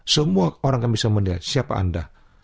semua orang yang bisa mendengar siapa anda